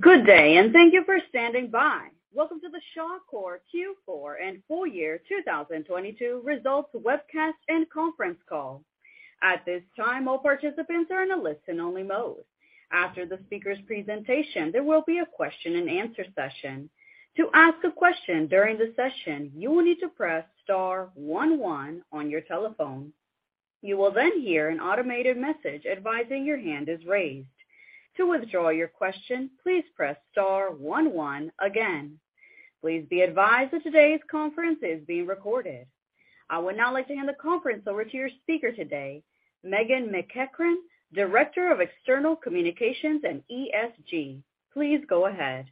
Good day, and thank you for standing by. Welcome to the Shawcor Q4 and full year 2022 results webcast and conference call. At this time, all participants are in a listen only mode. After the speaker's presentation, there will be a question-and-answer session. To ask a question during the session, you will need to press star one one on your telephone. You will then hear an automated message advising your hand is raised. To withdraw your question, please press star one one again. Please be advised that today's conference is being recorded. I would now like to hand the conference over to your speaker today, Meghan MacEachern, Director of External Communications and ESG. Please go ahead.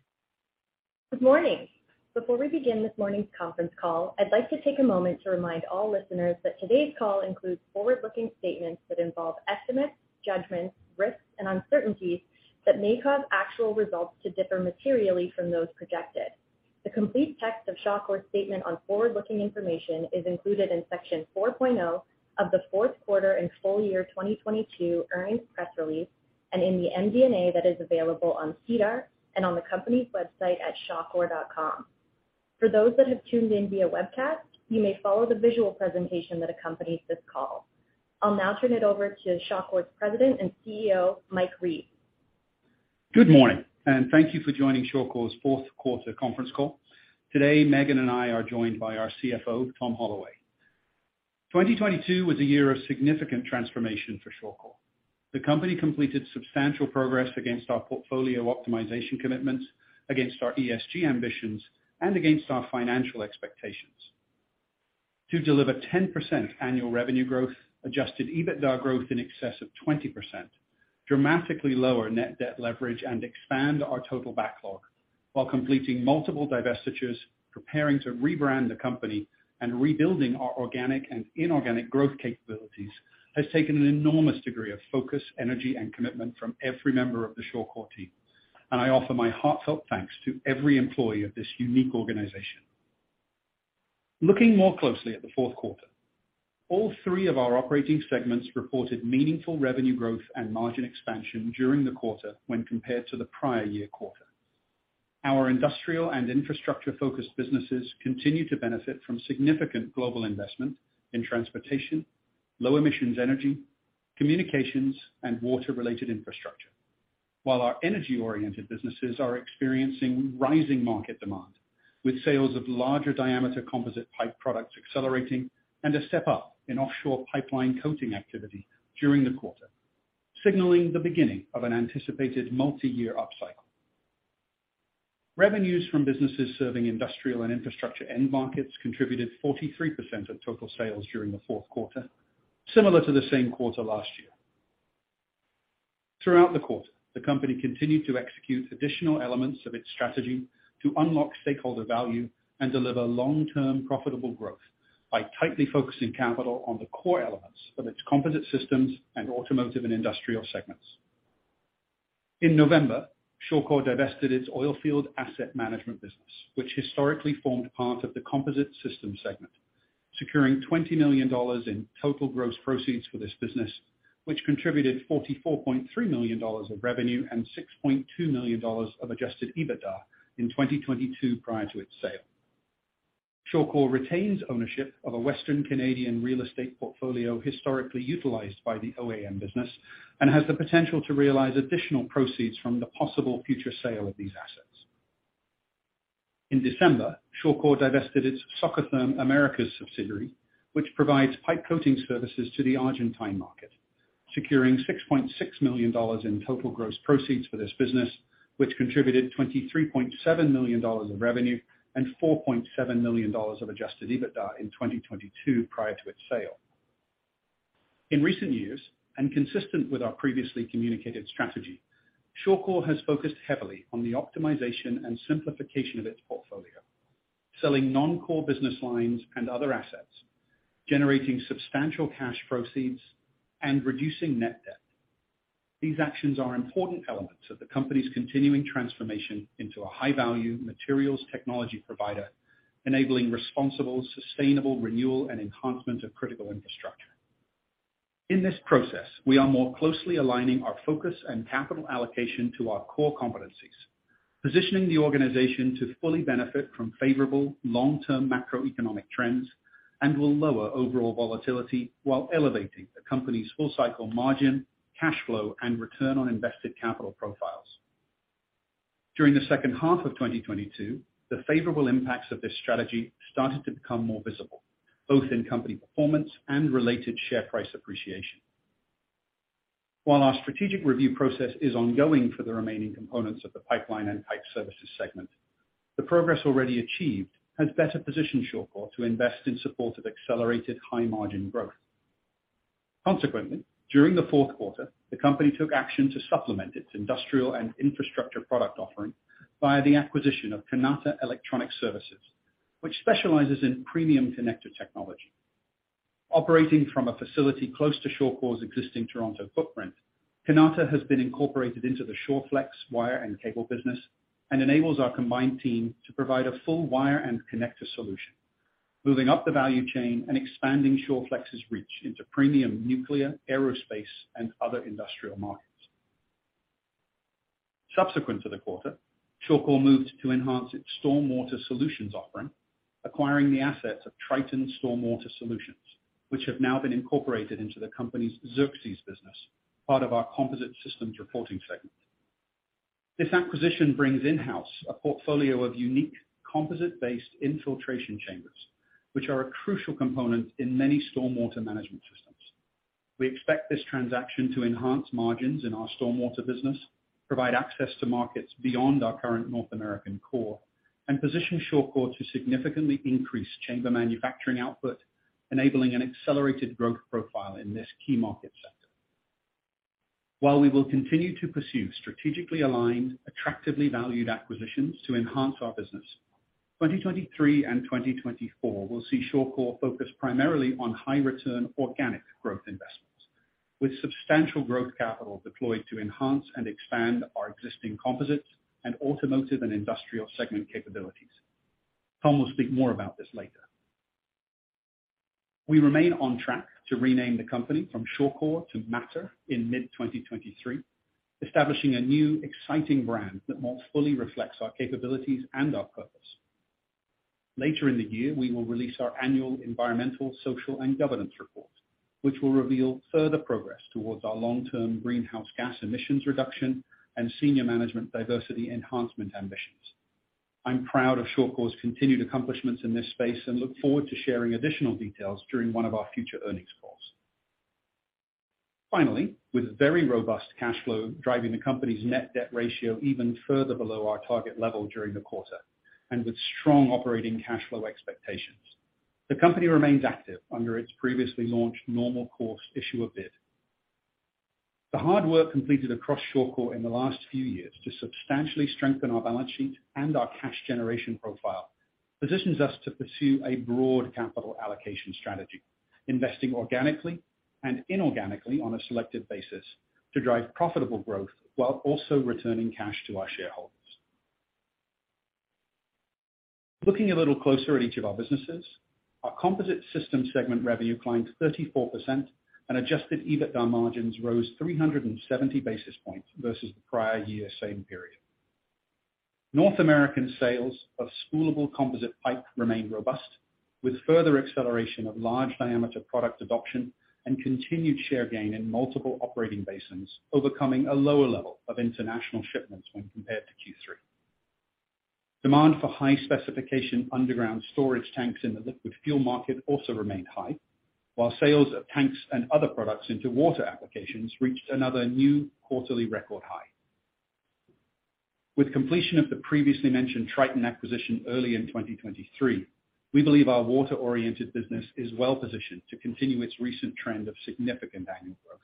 Good morning. Before we begin this morning's conference call, I'd like to take a moment to remind all listeners that today's call includes forward-looking statements that involve estimates, judgments, risks, and uncertainties that may cause actual results to differ materially from those projected. The complete text of Shawcor's statement on forward-looking information is included in section 4.0 of the fourth quarter and full year 2022 earnings press release, and in the MD&A that is available on SEDAR and on the company's website at shawcor.com. For those that have tuned in via webcast, you may follow the visual presentation that accompanies this call. I'll now turn it over to Shawcor's President and CEO, Mike Reeves. Good morning, and thank you for joining Shawcor's fourth quarter conference call. Today, Meghan and I are joined by our CFO, Tom Holloway. 2022 was a year of significant transformation for Shawcor. The company completed substantial progress against our portfolio optimization commitments, against our ESG ambitions, and against our financial expectations. To deliver 10% annual revenue growth, adjusted EBITDA growth in excess of 20%, dramatically lower net debt leverage, and expand our total backlog while completing multiple divestitures, preparing to rebrand the company, and rebuilding our organic and inorganic growth capabilities, has taken an enormous degree of focus, energy, and commitment from every member of the Shawcor team. I offer my heartfelt thanks to every employee of this unique organization. Looking more closely at the fourth quarter, all three of our operating segments reported meaningful revenue growth and margin expansion during the quarter when compared to the prior year quarter. Our industrial and infrastructure-focused businesses continue to benefit from significant global investment in transportation, low emissions energy, communications, and water-related infrastructure. While our energy-oriented businesses are experiencing rising market demand, with sales of larger diameter composite pipe products accelerating and a step up in offshore pipeline coating activity during the quarter, signaling the beginning of an anticipated multi-year upcycle. Revenues from businesses serving industrial and infrastructure end markets contributed 43% of total sales during the fourth quarter, similar to the same quarter last year. Throughout the quarter, the company continued to execute additional elements of its strategy to unlock stakeholder value and deliver long-term profitable growth by tightly focusing capital on the core elements of its Composite Systems and Automotive and Industrial segments. In November, Shawcor divested its Oil Field Asset Management business, which historically formed part of the Composite Systems segment, securing 20 million dollars in total gross proceeds for this business, which contributed 44.3 million dollars of revenue and 6.2 million dollars of adjusted EBITDA in 2022 prior to its sale. Shawcor retains ownership of a Western Canadian real estate portfolio historically utilized by the OAM business and has the potential to realize additional proceeds from the possible future sale of these assets. In December, Shawcor divested its Socotherm Americas subsidiary, which provides pipe coating services to the Argentine market, securing 6.6 million dollars in total gross proceeds for this business, which contributed 23.7 million dollars of revenue and 4.7 million dollars of adjusted EBITDA in 2022 prior to its sale. In recent years, and consistent with our previously communicated strategy, Shawcor has focused heavily on the optimization and simplification of its portfolio, selling non-core business lines and other assets, generating substantial cash proceeds and reducing net debt. These actions are important elements of the company's continuing transformation into a high-value materials technology provider, enabling responsible, sustainable renewal and enhancement of critical infrastructure. In this process, we are more closely aligning our focus and capital allocation to our core competencies, positioning the organization to fully benefit from favorable long-term macroeconomic trends and will lower overall volatility while elevating the company's full cycle margin, cash flow, and return on invested capital profiles. During the second half of 2022, the favorable impacts of this strategy started to become more visible, both in company performance and related share price appreciation. While our strategic review process is ongoing for the remaining components of the Pipeline and Pipe Services segment, the progress already achieved has better positioned Shawcor to invest in support of accelerated high margin growth. Consequently, during the Q4, the company took action to supplement its industrial and infrastructure product offering via the acquisition of Kanata Electronic Services, which specializes in premium connector technology. Operating from a facility close to Shawcor's existing Toronto footprint, Kanata has been incorporated into the ShawFlex wire and cable business and enables our combined team to provide a full wire and connector solution. Moving up the value chain and expanding ShawFlex's reach into premium nuclear, aerospace, and other industrial markets. Subsequent to the quarter, Shawcor moved to enhance its stormwater solutions offering, acquiring the assets of Triton Stormwater Solutions, which have now been incorporated into the company's Xerxes business, part of our Composite Systems reporting segment. This acquisition brings in-house a portfolio of unique composite-based infiltration chambers, which are a crucial component in many stormwater management systems. We expect this transaction to enhance margins in our Stormwater business, provide access to markets beyond our current North American core, and position Shawcor to significantly increase chamber manufacturing output, enabling an accelerated growth profile in this key market sector. While we will continue to pursue strategically aligned, attractively valued acquisitions to enhance our business, 2023 and 2024 will see Shawcor focused primarily on high return organic growth investments, with substantial growth capital deployed to enhance and expand our existing Composites and Automotive and Industrial segment capabilities. Tom will speak more about this later. We remain on track to rename the company from Shawcor to Shawcor in mid-2023, establishing a new, exciting brand that more fully reflects our capabilities and our purpose. Later in the year, we will release our annual Environmental, Social, and Governance report, which will reveal further progress towards our long-term greenhouse gas emissions reduction and senior management diversity enhancement ambitions. I'm proud of Shawcor's continued accomplishments in this space and look forward to sharing additional details during one of our future earnings calls. With very robust cash flow driving the company's net debt ratio even further below our target level during the quarter, and with strong operating cash flow expectations, the company remains active under its previously launched normal course issuer bid. The hard work completed across Shawcor in the last few years to substantially strengthen our balance sheet and our cash generation profile positions us to pursue a broad capital allocation strategy, investing organically and inorganically on a selective basis to drive profitable growth while also returning cash to our shareholders. Looking a little closer at each of our businesses, our Composite Systems segment revenue climbed 34% and adjusted EBITDA margins rose 370 basis points versus the prior year same period. North American sales of spoolable composite pipe remained robust, with further acceleration of large diameter product adoption and continued share gain in multiple operating basins, overcoming a lower level of international shipments when compared to Q3. Demand for high specification underground storage tanks in the liquid fuel market also remained high, while sales of tanks and other products into water applications reached another new quarterly record high. With completion of the previously mentioned Triton acquisition early in 2023, we believe our water-oriented business is well-positioned to continue its recent trend of significant annual growth.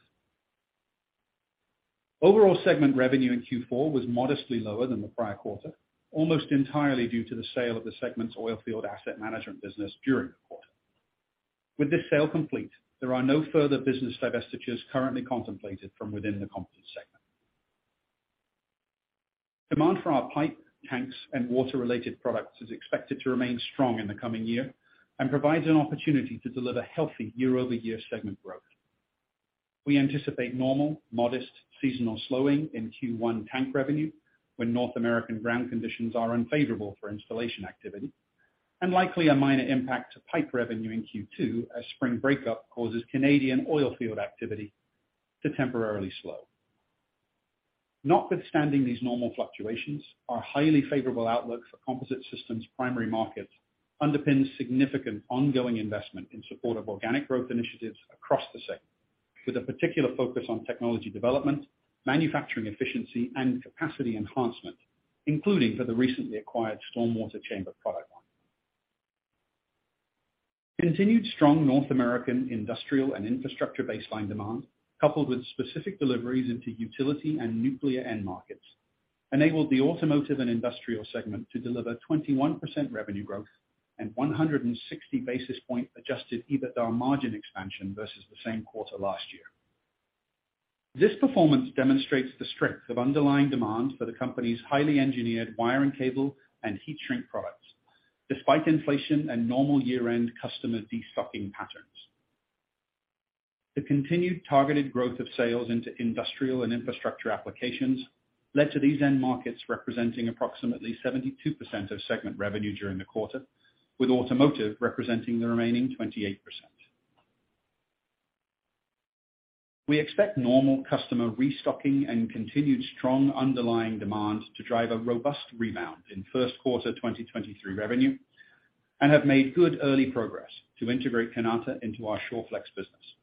Overall segment revenue in Q4 was modestly lower than the prior quarter, almost entirely due to the sale of the segment's Oilfield Asset Management business during the quarter. With this sale complete, there are no further business divestitures currently contemplated from within the composite segment. Demand for our pipe, tanks, and water-related products is expected to remain strong in the coming year and provides an opportunity to deliver healthy year-over-year segment growth. We anticipate normal, modest seasonal slowing in Q1 tank revenue when North American ground conditions are unfavorable for installation activity, and likely a minor impact to pipe revenue in Q2 as spring breakup causes Canadian oil field activity to temporarily slow. Notwithstanding these normal fluctuations, our highly favorable outlook for composite systems primary markets underpins significant ongoing investment in support of organic growth initiatives across the segment, with a particular focus on technology development, manufacturing efficiency, and capacity enhancement, including for the recently acquired stormwater chamber product line. Continued strong North American industrial and infrastructure baseline demand, coupled with specific deliveries into utility and nuclear end markets, enabled the Automotive and Industrial segment to deliver 21% revenue growth and 160 basis point adjusted EBITDA margin expansion versus the same quarter last year. This performance demonstrates the strength of underlying demand for the company's highly engineered wire and cable and heat shrink products despite inflation and normal year-end customer destocking patterns. The continued targeted growth of sales into industrial and infrastructure applications led to these end markets representing approximately 72% of segment revenue during the quarter, with automotive representing the remaining 28%. We expect normal customer restocking and continued strong underlying demand to drive a robust rebound in first quarter 2023 revenue and have made good early progress to integrate Kanata into our ShawFlex business.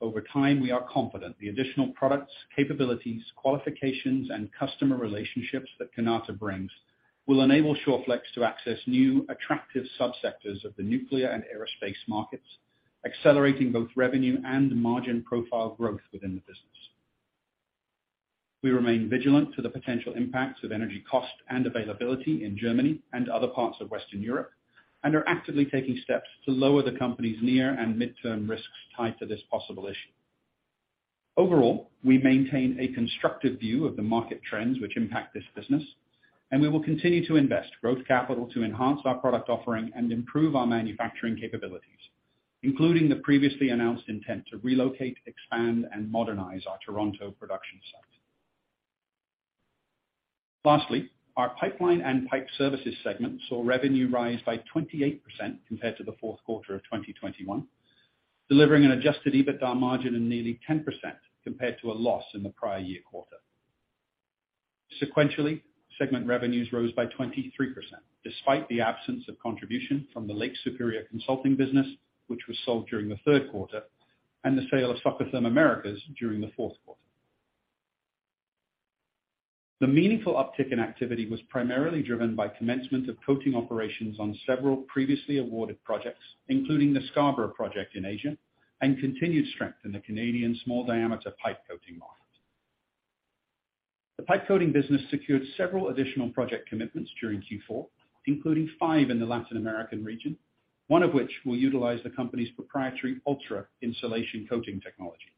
Over time, we are confident the additional products, capabilities, qualifications, and customer relationships that Kanata brings will enable ShawFlex to access new, attractive subsectors of the nuclear and aerospace markets, accelerating both revenue and margin profile growth within the business. We remain vigilant to the potential impacts of energy cost and availability in Germany and other parts of Western Europe, and are actively taking steps to lower the company's near and midterm risks tied to this possible issue. Overall, we maintain a constructive view of the market trends which impact this business, and we will continue to invest growth capital to enhance our product offering and improve our manufacturing capabilities, including the previously announced intent to relocate, expand, and modernize our Toronto production site. Lastly, our Pipeline and Pipe Services segment saw revenue rise by 28% compared to the fourth quarter of 2021, delivering an adjusted EBITDA margin of nearly 10% compared to a loss in the prior year quarter. Sequentially, segment revenues rose by 23% despite the absence of contribution from the Lake Superior Consulting business, which was sold during the third quarter and the sale of Socotherm Americas during the fourth quarter. The meaningful uptick in activity was primarily driven by commencement of coating operations on several previously awarded projects, including the Scarborough project in Asia and continued strength in the Canadian small diameter pipe coating market. The Pipe Coating business secured several additional project commitments during Q4, including five in the Latin American region, one of which will utilize the company's proprietary ultra-insulation coating technology.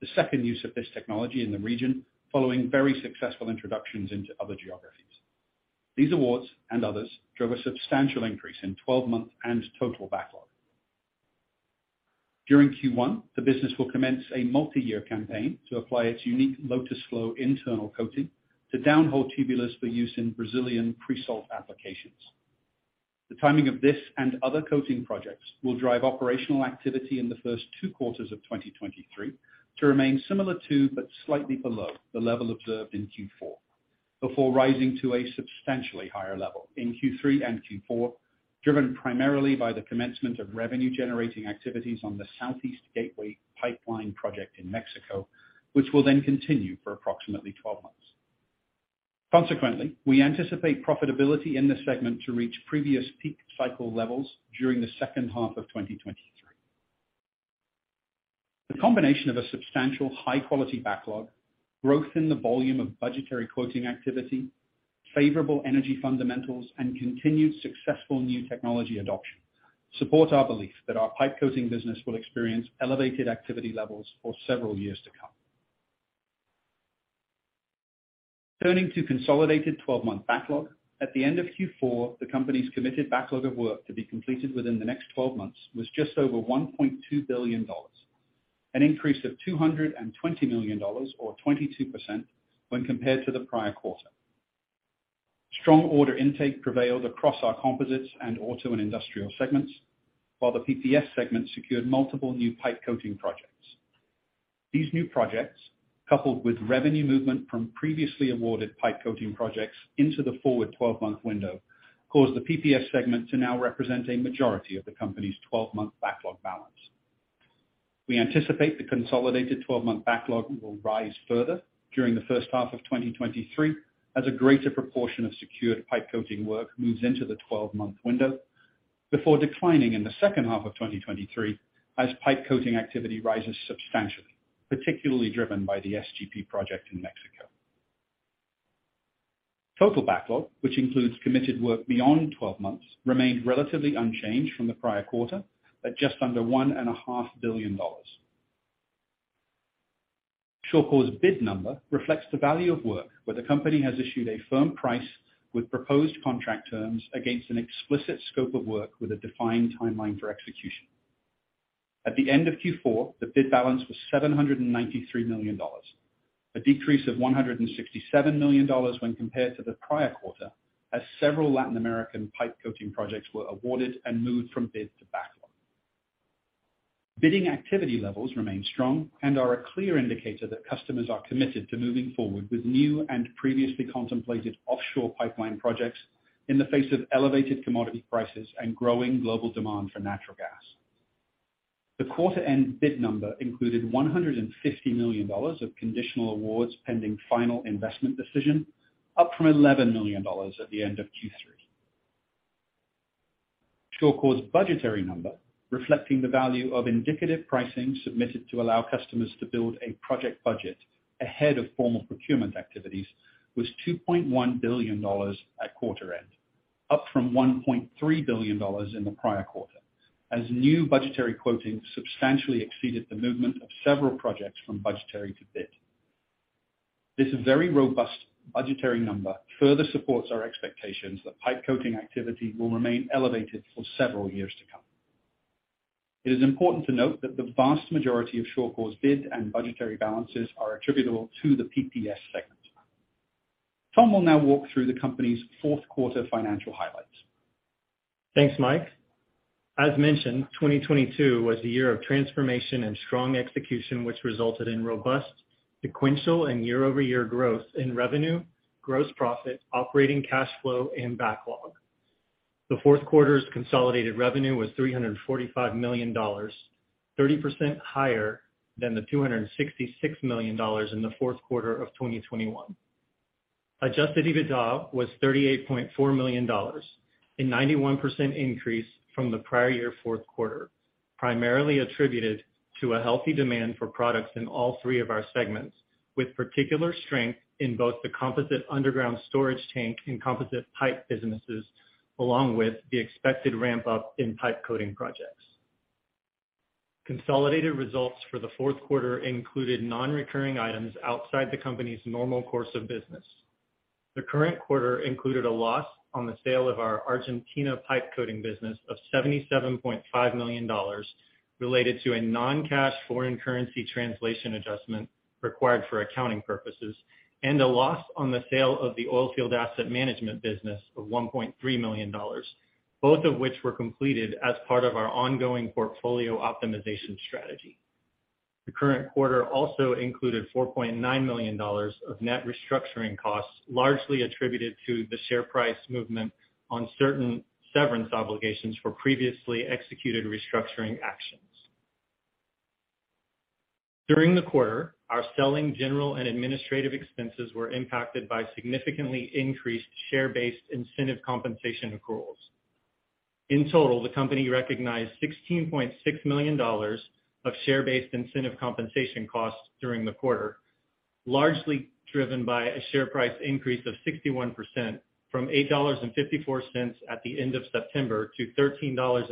The second use of this technology in the region, following very successful introductions into other geographies. These awards and others drove a substantial increase in 12-month and total backlog. During Q1, the business will commence a multi-year campaign to apply its unique LotusFlow internal coating to downhole tubulars for use in Brazilian pre-salt applications. The timing of this and other coating projects will drive operational activity in the first two quarters of 2023 to remain similar to, but slightly below the level observed in Q4, before rising to a substantially higher level in Q3 and Q4, driven primarily by the commencement of revenue-generating activities on the Southeast Gateway Pipeline project in Mexico, which will then continue for approximately 12 months. Consequently, we anticipate profitability in this segment to reach previous peak cycle levels during the second half of 2023. The combination of a substantial high-quality backlog, growth in the volume of budgetary quoting activity, favorable energy fundamentals, and continued successful new technology adoption support our belief that our Pipe Coating business will experience elevated activity levels for several years to come. Turning to consolidated 12-month backlog. At the end of Q4, the company's committed backlog of work to be completed within the next 12 months was just over 1.2 billion dollars, an increase of 220 million dollars or 22% when compared to the prior quarter. Strong order intake prevailed across our Composites and Auto and Industrial segments, while the PPS segment secured multiple new pipe coating projects. These new projects, coupled with revenue movement from previously awarded pipe coating projects into the forward-12 month window, caused the PPS segment to now represent a majority of the company's 12-month backlog balance. We anticipate the consolidated 12-month backlog will rise further during the first half of 2023 as a greater proportion of secured pipe coating work moves into the 12-month window before declining in the second half of 2023 as pipe coating activity rises substantially, particularly driven by the SGP project in Mexico. Total backlog, which includes committed work beyond 12 months, remained relatively unchanged from the prior quarter at just under 1.5 billion dollars. Shawcor's bid number reflects the value of work where the company has issued a firm price with proposed contract terms against an explicit scope of work with a defined timeline for execution. At the end of Q4, the bid balance was 793 million dollars, a decrease of 167 million dollars when compared to the prior quarter, as several Latin American pipe coating projects were awarded and moved from bid to backlog. Bidding activity levels remain strong and are a clear indicator that customers are committed to moving forward with new and previously contemplated offshore pipeline projects in the face of elevated commodity prices and growing global demand for natural gas. The quarter end bid number included 150 million dollars of conditional awards pending final investment decision, up from 11 million dollars at the end of Q3. Shawcor's budgetary number, reflecting the value of indicative pricing submitted to allow customers to build a project budget ahead of formal procurement activities, was 2.1 billion dollars at quarter end, up from 1.3 billion dollars in the prior quarter, as new budgetary quoting substantially exceeded the movement of several projects from budgetary to bid. This very robust budgetary number further supports our expectations that pipe coating activity will remain elevated for several years to come. It is important to note that the vast majority of Shawcor's bid and budgetary balances are attributable to the PPS segment. Tom will now walk through the company's fourth quarter financial highlights. Thanks, Mike. As mentioned, 2022 was a year of transformation and strong execution, which resulted in robust sequential and year-over-year growth in revenue, gross profit, operating cash flow, and backlog. The fourth quarter's consolidated revenue was 345 million dollars, 30% higher than the 266 million dollars in the fourth quarter of 2021. Adjusted EBITDA was 38.4 million dollars, a 91% increase from the prior year fourth quarter, primarily attributed to a healthy demand for products in all three of our segments. With particular strength in both the composite underground storage tank and composite pipe businesses, along with the expected ramp up in pipe coating projects. Consolidated results for the fourth quarter included non-recurring items outside the company's normal course of business. The current quarter included a loss on the sale of our Argentina Pipe Coating business of 77.5 million dollars related to a non-cash foreign currency translation adjustment required for accounting purposes and a loss on the sale of the Oilfield Asset Management business of 1.3 million dollars, both of which were completed as part of our ongoing portfolio optimization strategy. The current quarter also included 4.9 million dollars of net restructuring costs, largely attributed to the share price movement on certain severance obligations for previously executed restructuring actions. During the quarter, our selling, general and administrative expenses were impacted by significantly increased share-based incentive compensation accruals. In total, the company recognized 16.6 million dollars of share-based incentive compensation costs during the quarter, largely driven by a share price increase of 61% from 8.54 dollars at the end of September to 13.74 dollars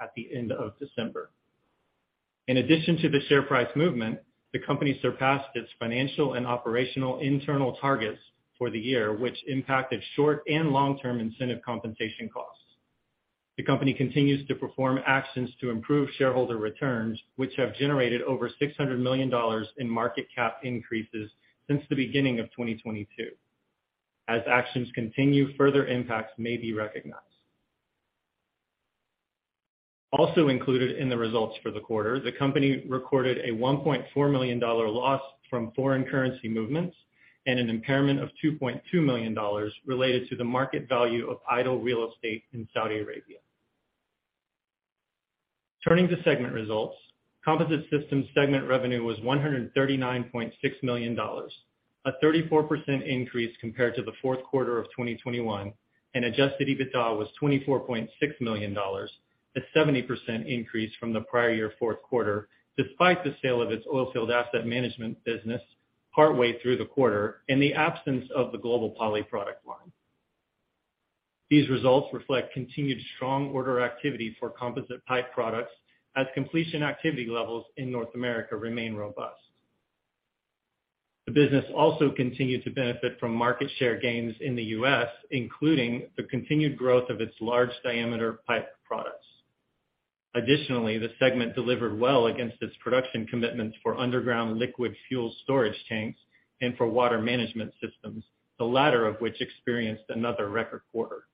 at the end of December. In addition to the share price movement, the company surpassed its financial and operational internal targets for the year, which impacted short and long-term incentive compensation costs. The company continues to perform actions to improve shareholder returns, which have generated over 600 million dollars in market cap increases since the beginning of 2022. As actions continue, further impacts may be recognized. Also included in the results for the quarter, the company recorded a 1.4 million dollar loss from foreign currency movements and an impairment of 2.2 million dollars related to the market value of idle real estate in Saudi Arabia. Turning to segment results, Composite Systems segment revenue was 139.6 million dollars, a 34% increase compared to the fourth quarter of 2021, and adjusted EBITDA was 24.6 million dollars, a 70% increase from the prior year fourth quarter, despite the sale of its Oilfield Asset Management business partway through the quarter and the absence of the Global Poly product line. These results reflect continued strong order activity for composite pipe products as completion activity levels in North America remain robust. The business also continued to benefit from market share gains in the U.S., including the continued growth of its large diameter pipe products. Additionally, the segment delivered well against its production commitments for underground liquid fuel storage tanks and for water management systems, the latter of which experienced another record quarter.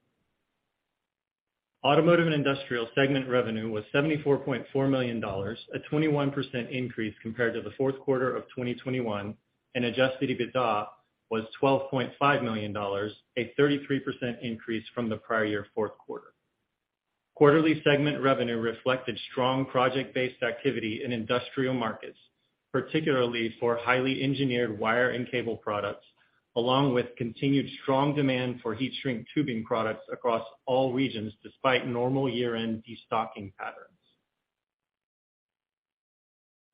Automotive and Industrial segment revenue was 74.4 million dollars, a 21% increase compared to the fourth quarter of 2021, and adjusted EBITDA was 12.5 million dollars, a 33% increase from the prior year fourth quarter. Quarterly segment revenue reflected strong project-based activity in industrial markets, particularly for highly engineered wire and cable products, along with continued strong demand for heat shrink tubing products across all regions despite normal year-end destocking patterns.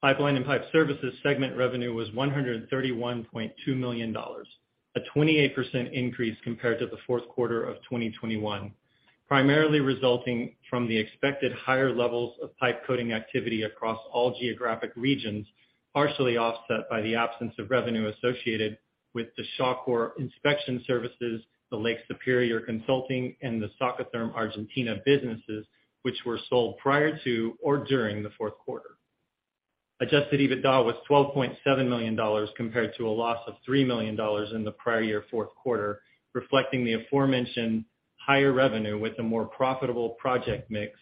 Pipeline and Pipe Services segment revenue was 131.2 million dollars, a 28% increase compared to the fourth quarter of 2021, primarily resulting from the expected higher levels of pipe coating activity across all geographic regions, partially offset by the absence of revenue associated with the Shawcor Inspection Services, the Lake Superior Consulting, and the Socotherm Argentina businesses, which were sold prior to or during the fourth quarter. Adjusted EBITDA was 12.7 million dollars compared to a loss of 3 million dollars in the prior year fourth quarter, reflecting the aforementioned higher revenue with a more profitable project mix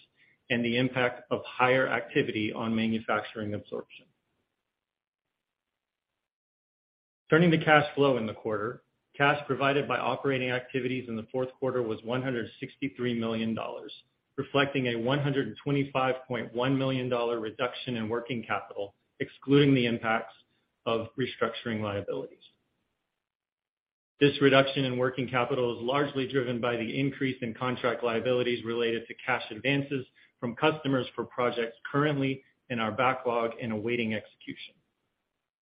and the impact of higher activity on manufacturing absorption. Turning to cash flow in the quarter, cash provided by operating activities in the fourth quarter was 163 million dollars, reflecting a 125.1 million dollar reduction in working capital, excluding the impacts of restructuring liabilities. This reduction in working capital is largely driven by the increase in contract liabilities related to cash advances from customers for projects currently in our backlog and awaiting execution.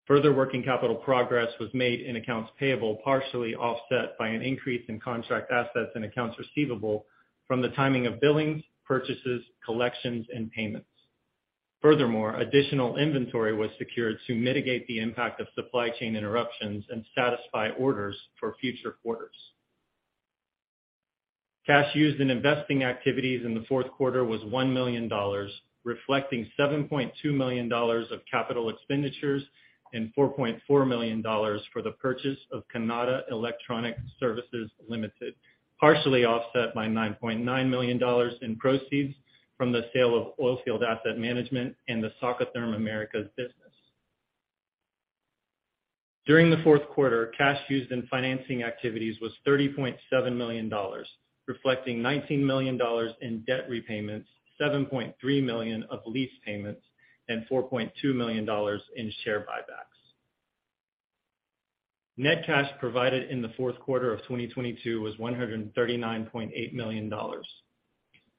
Further working capital progress was made in accounts payable, partially offset by an increase in contract assets and accounts receivable from the timing of billings, purchases, collections, and payments. Additional inventory was secured to mitigate the impact of supply chain interruptions and satisfy orders for future quarters. Cash used in investing activities in the fourth quarter was 1 million dollars, reflecting 7.2 million dollars of capital expenditures and 4.4 million dollars for the purchase of Kanata Electronic Services Limited, partially offset by 9.9 million dollars in proceeds from the sale of Oilfield Asset Management and the Socotherm Americas business. During the fourth quarter, cash used in financing activities was 30.7 million dollars, reflecting 19 million dollars in debt repayments, 7.3 million of lease payments and 4.2 million dollars in share buybacks. Net cash provided in the fourth quarter of 2022 was 139.8 million dollars.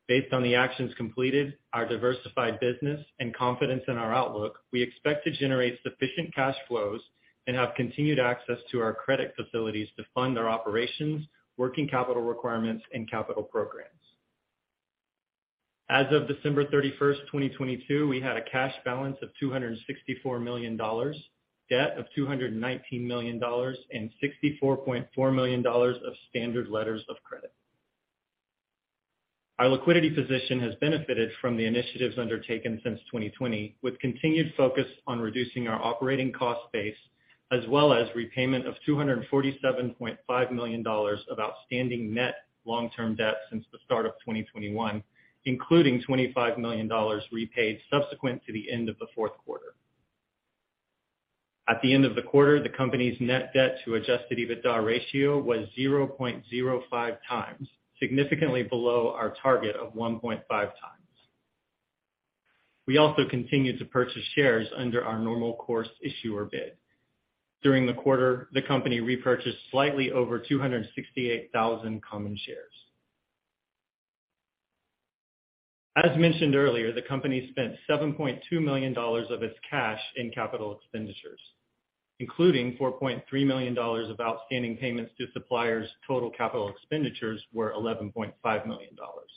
Based on the actions completed, our diversified business and confidence in our outlook, we expect to generate sufficient cash flows and have continued access to our credit facilities to fund our operations, working capital requirements and capital programs. As of December 31st, 2022, we had a cash balance of 264 million dollars, debt of 219 million dollars and 64.4 million dollars of standard letters of credit. Our liquidity position has benefited from the initiatives undertaken since 2020, with continued focus on reducing our operating cost base as well as repayment of 247.5 million dollars of outstanding net long-term debt since the start of 2021, including 25 million dollars repaid subsequent to the end of the fourth quarter. At the end of the quarter, the company's net debt to adjusted EBITDA ratio was 0.05x, significantly below our target of 1.5x. We also continued to purchase shares under our normal course issuer bid. During the quarter, the company repurchased slightly over 268,000 common shares. As mentioned earlier, the company spent 72 million dollars of its cash in capital expenditures, including 4.3 million dollars of outstanding payments to suppliers. Total capital expenditures were 11.5 million dollars.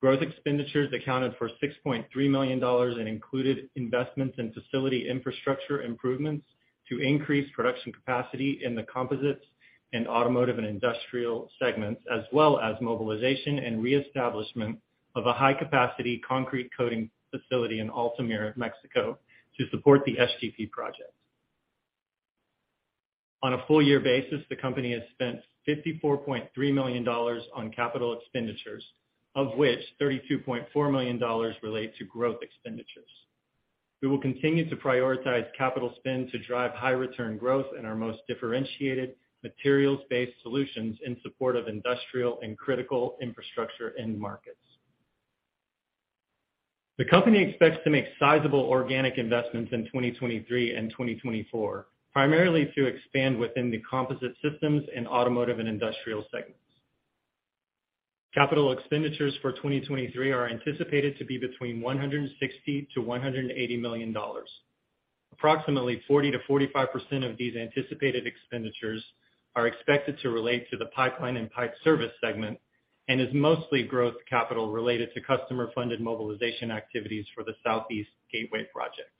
Growth expenditures accounted for 6.3 million dollars and included investments in facility infrastructure improvements to increase production capacity in the Composites and Automotive and Industrial segments, as well as mobilization and reestablishment of a high-capacity concrete coating facility in Altamira, Mexico to support the SGP project. On a full year basis, the company has spent 54.3 million dollars on capital expenditures, of which 32.4 million dollars relate to growth expenditures. We will continue to prioritize capital spend to drive high return growth in our most differentiated materials-based solutions in support of industrial and critical infrastructure end markets. The company expects to make sizable organic investments in 2023 and 2024, primarily to expand within the Composite Systems and Automotive and Industrial segments. Capital expenditures for 2023 are anticipated to be between 160 million-180 million dollars. Approximately 40%-45% of these anticipated expenditures are expected to relate to the Pipeline and Pipe Services segment and is mostly growth capital related to customer-funded mobilization activities for the Southeast Gateway Project.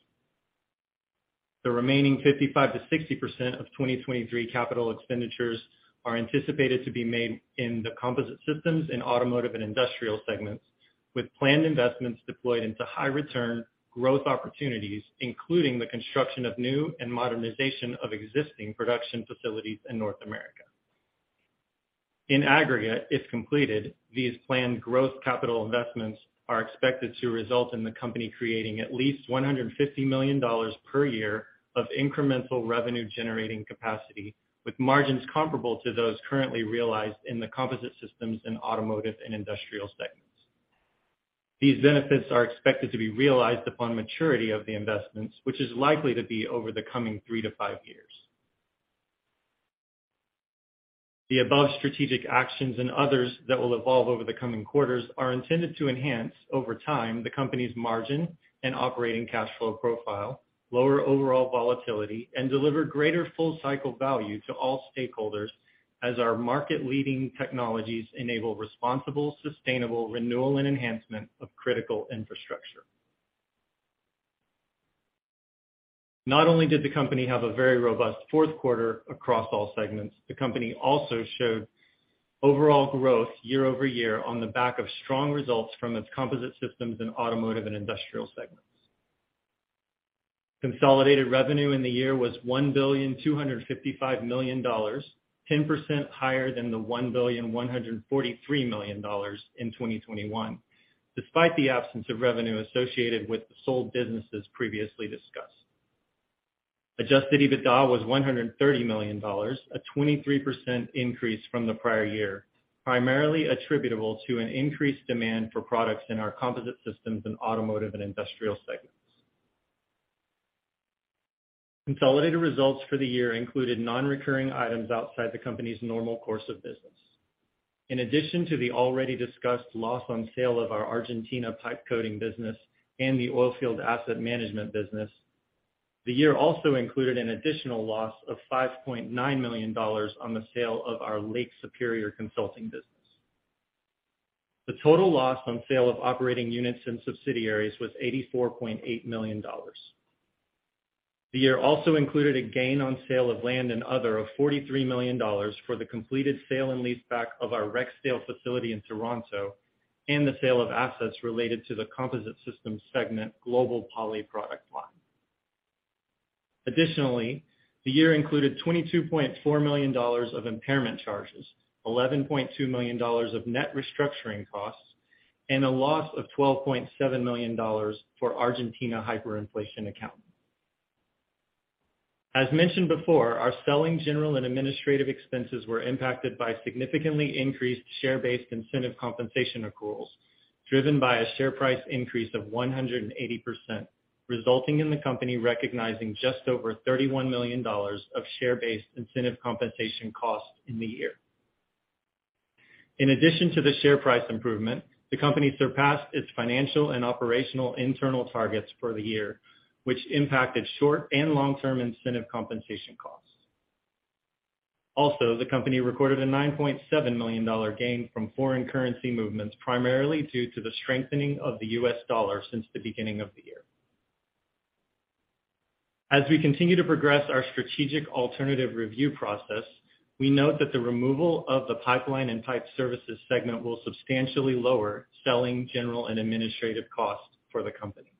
The remaining 55%-60% of 2023 capital expenditures are anticipated to be made in the Composite Systems and Automotive and Industrial segments, with planned investments deployed into high return growth opportunities, including the construction of new and modernization of existing production facilities in North America. In aggregate, if completed, these planned growth capital investments are expected to result in the company creating at least 150 million dollars per year of incremental revenue generating capacity, with margins comparable to those currently realized in the Composite Systems and Automotive and Industrial segments. These benefits are expected to be realized upon maturity of the investments, which is likely to be over the coming three to five years. The above strategic actions and others that will evolve over the coming quarters are intended to enhance over time the company's margin and operating cash flow profile, lower overall volatility and deliver greater full cycle value to all stakeholders as our market-leading technologies enable responsible, sustainable renewal and enhancement of critical infrastructure. Not only did the company have a very robust fourth quarter across all segments, the company also showed overall growth year-over-year on the back of strong results from its Composite Systems and Automotive and Industrial segments. Consolidated revenue in the year was 1.255 billion, 10% higher than the 1.143 billion in 2021, despite the absence of revenue associated with the sold businesses previously discussed. Adjusted EBITDA was 130 million dollars, a 23% increase from the prior year, primarily attributable to an increased demand for products in our Composite Systems and Automotive and Industrial segments. Consolidated results for the year included non-recurring items outside the company's normal course of business. In addition to the already discussed loss on sale of our Argentina Pipe Coating business and the Oilfield Asset Management business, the year also included an additional loss of 5.9 million dollars on the sale of our Lake Superior Consulting business. The total loss on sale of operating units and subsidiaries was 84.8 million dollars. The year also included a gain on sale of land and other of 43 million dollars for the completed sale and leaseback of our Rexdale facility in Toronto and the sale of assets related to the Composite Systems segment Global Poly product line. The year included 22.4 million dollars of impairment charges, 11.2 million dollars of net restructuring costs, and a loss of 12.7 million dollars for Argentina hyperinflation accounting. As mentioned before, our selling, general and administrative expenses were impacted by significantly increased share-based incentive compensation accruals. Driven by a share price increase of 180%, resulting in the company recognizing just over 31 million dollars of share-based incentive compensation costs in the year. In addition to the share price improvement, the company surpassed its financial and operational internal targets for the year, which impacted short and long-term incentive compensation costs. The company recorded a 9.7 million dollar gain from foreign currency movements, primarily due to the strengthening of the U.S. dollar since the beginning of the year. As we continue to progress our strategic alternative review process, we note that the removal of the Pipeline and Pipe Services segment will substantially lower SG&A costs for the company.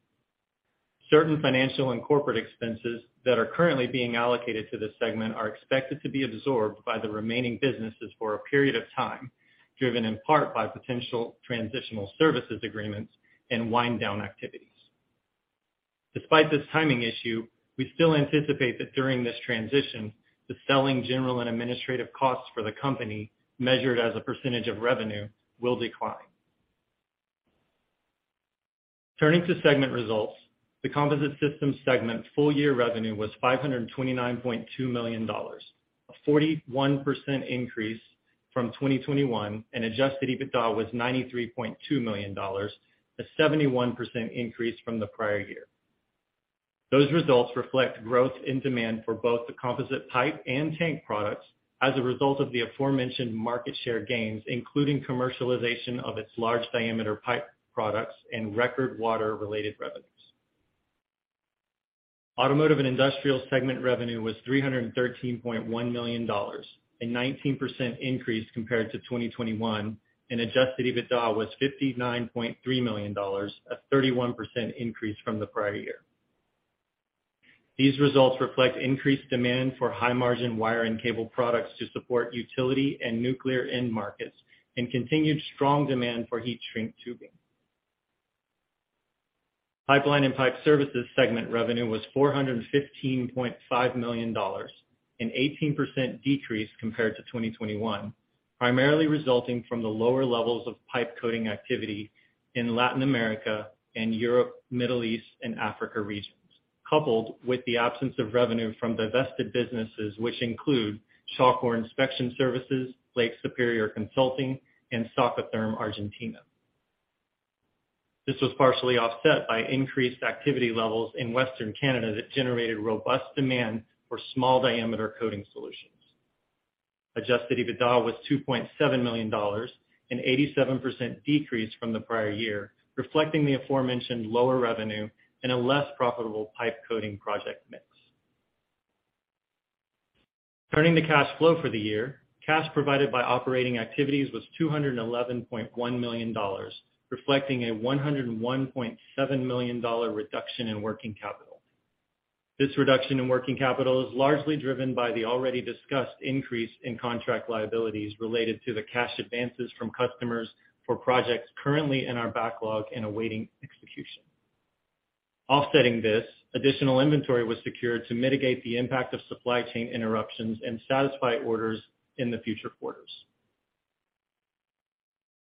Certain financial and corporate expenses that are currently being allocated to this segment are expected to be absorbed by the remaining businesses for a period of time, driven in part by potential transitional services agreements and wind down activities. Despite this timing issue, we still anticipate that during this transition, the SG&A costs for the company, measured as a percentage of revenue, will decline. Turning to segment results, the Composite Systems segment full year revenue was 529.2 million dollars, a 41% increase from 2021, and adjusted EBITDA was 93.2 million dollars, a 71% increase from the prior year. Those results reflect growth in demand for both the composite type and tank products as a result of the aforementioned market share gains, including commercialization of its large diameter pipe products and record water-related revenues. Automotive and Industrial segment revenue was 313.1 million dollars, a 19% increase compared to 2021, and adjusted EBITDA was 59.3 million dollars, a 31% increase from the prior year. These results reflect increased demand for high margin wire and cable products to support utility and nuclear end markets and continued strong demand for heat shrink tubing. Pipeline and Pipe Services segment revenue was 415.5 million dollars, an 18% decrease compared to 2021, primarily resulting from the lower levels of pipe coating activity in Latin America and Europe, Middle East and Africa regions, coupled with the absence of revenue from divested businesses, which include Shawcor Inspection Services, Lake Superior Consulting, and Socotherm Argentina. This was partially offset by increased activity levels in Western Canada that generated robust demand for small diameter coating solutions. Adjusted EBITDA was 2.7 million dollars, an 87% decrease from the prior year, reflecting the aforementioned lower revenue and a less profitable pipe coating project mix. Turning to cash flow for the year, cash provided by operating activities was 211.1 million dollars, reflecting a 101.7 million dollar reduction in working capital. This reduction in working capital is largely driven by the already discussed increase in contract liabilities related to the cash advances from customers for projects currently in our backlog and awaiting execution. Offsetting this, additional inventory was secured to mitigate the impact of supply chain interruptions and satisfy orders in the future quarters.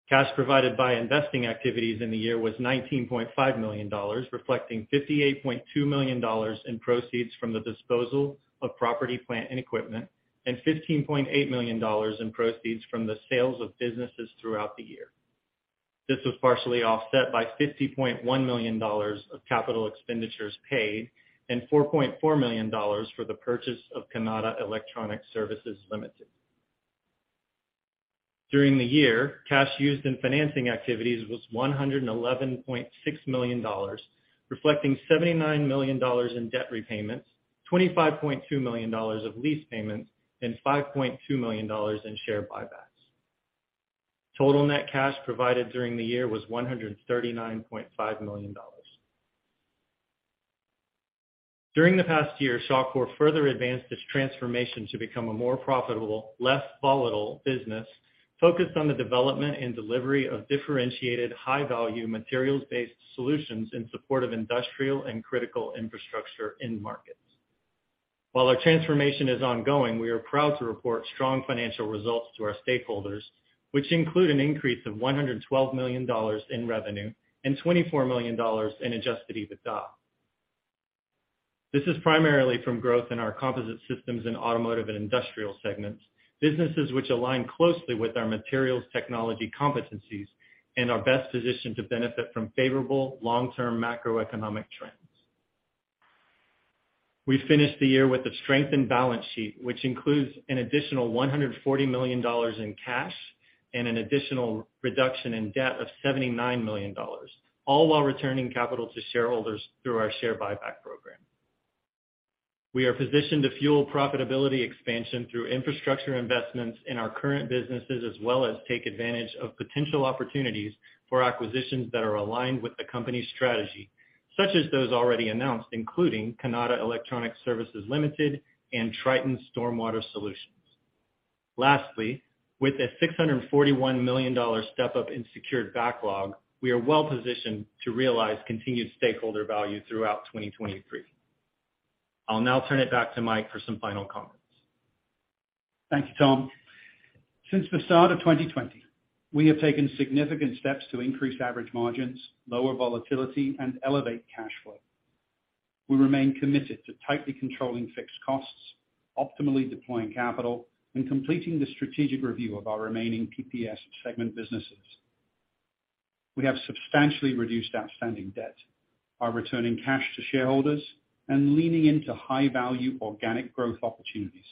Cash provided by investing activities in the year was 19.5 million dollars, reflecting 58.2 million dollars in proceeds from the disposal of property, plant and equipment, and 15.8 million dollars in proceeds from the sales of businesses throughout the year. This was partially offset by 50.1 million dollars of capital expenditures paid and 4.4 million dollars for the purchase of Kanata Electronic Services Limited. During the year, cash used in financing activities was 111.6 million dollars, reflecting 79 million dollars in debt repayments, 25.2 million dollars of lease payments and 5.2 million dollars in share buybacks. Total net cash provided during the year was 139.5 million dollars. During the past year, Shawcor further advanced its transformation to become a more profitable, less volatile business focused on the development and delivery of differentiated, high value, materials based solutions in support of industrial and critical infrastructure end markets. While our transformation is ongoing, we are proud to report strong financial results to our stakeholders, which include an increase of 112 million dollars in revenue and 24 million dollars in adjusted EBITDA. This is primarily from growth in our Composite Systems in Automotive and Industrial segments, businesses which align closely with our materials technology competencies and are best positioned to benefit from favorable long-term macroeconomic trends. We finished the year with a strengthened balance sheet, which includes an additional 140 million dollars in cash and an additional reduction in debt of 79 million dollars, all while returning capital to shareholders through our share buyback program. We are positioned to fuel profitability expansion through infrastructure investments in our current businesses, as well as take advantage of potential opportunities for acquisitions that are aligned with the company's strategy, such as those already announced, including Kanata Electronic Services Limited and Triton Stormwater Solutions. Lastly, with a 641 million dollar step up in secured backlog, we are well positioned to realize continued stakeholder value throughout 2023. I'll now turn it back to Mike for some final comments. Thank you, Tom. Since the start of 2020, we have taken significant steps to increase average margins, lower volatility and elevate cash flow. We remain committed to tightly controlling fixed costs, optimally deploying capital and completing the strategic review of our remaining PPS segment businesses. We have substantially reduced outstanding debt by returning cash to shareholders and leaning into high-value organic growth opportunities,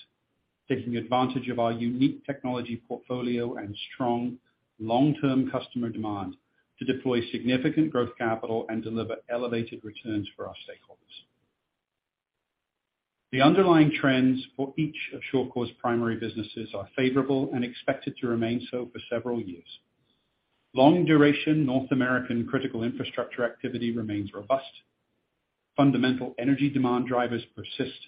taking advantage of our unique technology portfolio and strong long-term customer demand to deploy significant growth capital and deliver elevated returns for our stakeholders. The underlying trends for each of Shawcor's primary businesses are favorable and expected to remain so for several years. Long duration North American critical infrastructure activity remains robust. Fundamental energy demand drivers persist,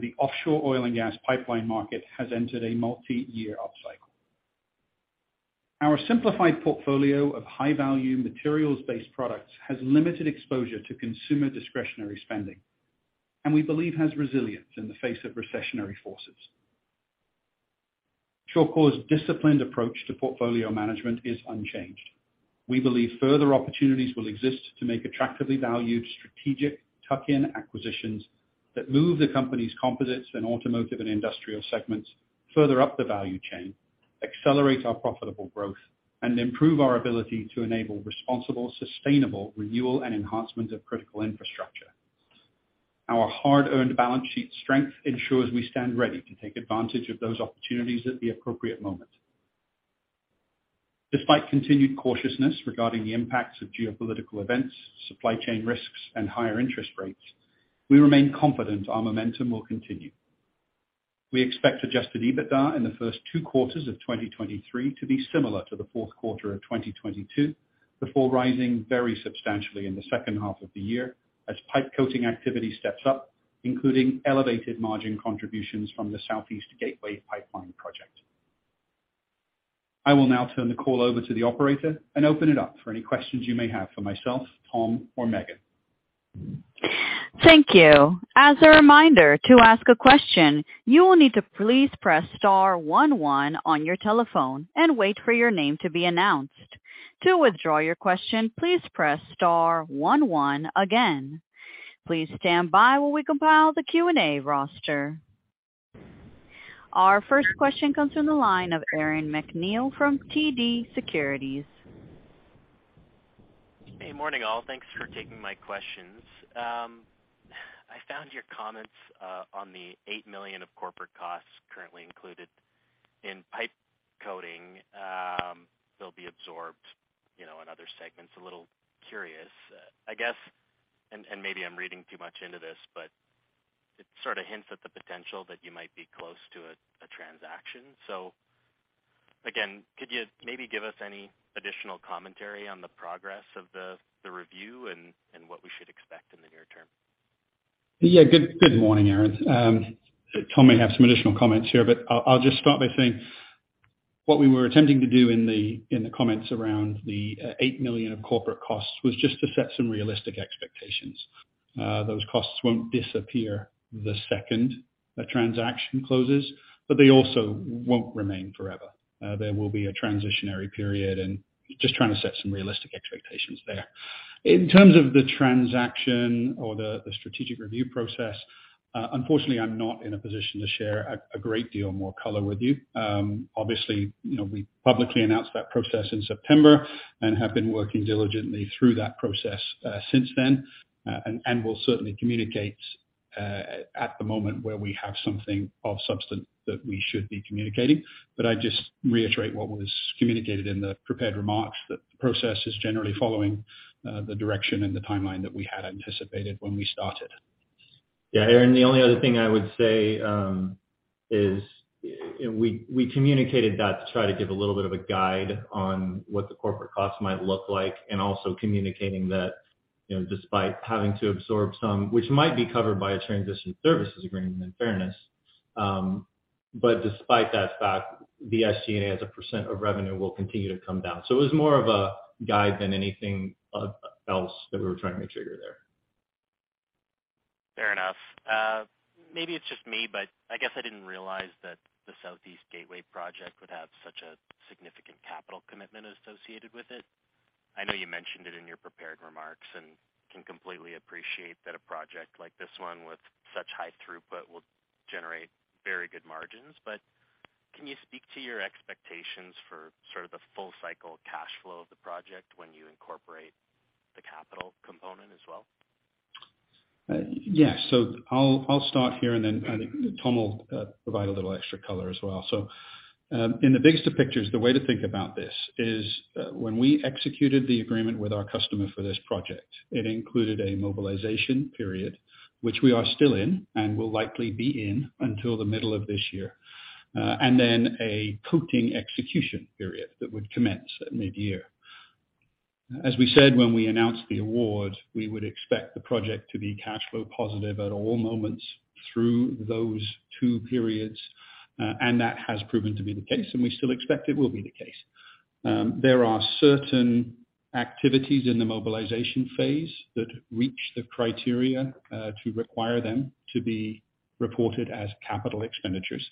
the offshore oil and gas pipeline market has entered a multi-year upcycle. Our simplified portfolio of high-value materials-based products has limited exposure to consumer discretionary spending, and we believe has resilience in the face of recessionary forces. Shawcor's disciplined approach to portfolio management is unchanged. We believe further opportunities will exist to make attractively valued strategic tuck-in acquisitions that move the company's Composite Systems and Automotive and Industrial segments further up the value chain, accelerate our profitable growth, and improve our ability to enable responsible, sustainable renewal and enhancement of critical infrastructure. Our hard-earned balance sheet strength ensures we stand ready to take advantage of those opportunities at the appropriate moment. Despite continued cautiousness regarding the impacts of geopolitical events, supply chain risks and higher interest rates, we remain confident our momentum will continue. We expect adjusted EBITDA in the first two quarters of 2023 to be similar to the fourth quarter of 2022, before rising very substantially in the second half of the year as pipe coating activity steps up, including elevated margin contributions from the Southeast Gateway Pipeline project. I will now turn the call over to the operator and open it up for any questions you may have for myself, Tom or Megan. Thank you. As a reminder, to ask a question, you will need to please press star one one on your telephone and wait for your name to be announced. To withdraw your question, please press star one one again. Please stand by while we compile the Q&A roster. Our first question comes from the line of Aaron MacNeil from TD Securities. Hey, morning, all. Thanks for taking my questions. I found your comments on the 8 million of corporate costs currently included in pipe coating, they'll be absorbed, you know, in other segments, a little curious. Maybe I'm reading too much into this, but it sort of hints at the potential that you might be close to a transaction. Again, could you maybe give us any additional commentary on the progress of the review and what we should expect in the near term? Yeah. Good morning, Aaron. Tom may have some additional comments here, but I'll just start by saying what we were attempting to do in the comments around the 8 million of corporate costs was just to set some realistic expectations. Those costs won't disappear the second a transaction closes, but they also won't remain forever. There will be a transitionary period and just trying to set some realistic expectations there. In terms of the transaction or the strategic review process, unfortunately, I'm not in a position to share a great deal more color with you. Obviously, you know, we publicly announced that process in September and have been working diligently through that process since then. And we'll certainly communicate at the moment where we have something of substance that we should be communicating. I'd just reiterate what was communicated in the prepared remarks that the process is generally following the direction and the timeline that we had anticipated when we started. Aaron, the only other thing I would say, is we communicated that to try to give a little bit of a guide on what the corporate costs might look like and also communicating that, you know, despite having to absorb some, which might be covered by a transition services agreement in fairness. Despite that fact, the SG&A as a % of revenue will continue to come down. It was more of a guide than anything else that we were trying to make sure you hear. Fair enough. Maybe it's just me, but I guess I didn't realize that the Southeast Gateway Pipeline project would have such a significant capital commitment associated with it. I know you mentioned it in your prepared remarks and can completely appreciate that a project like this one with such high throughput will generate very good margins. Can you speak to your expectations for sort of the full cycle cash flow of the project when you incorporate the capital component as well? Yeah. I'll start here and then I think Tom will provide a little extra color as well. In the bigger picture, the way to think about this is when we executed the agreement with our customer for this project, it included a mobilization period, which we are still in and will likely be in until the middle of this year, and then a coating execution period that would commence at mid-year. When we announced the award, we would expect the project to be cash flow positive at all moments through those two periods, and that has proven to be the case, and we still expect it will be the case. There are certain activities in the mobilization phase that reach the criteria to require them to be reported as capital expenditures.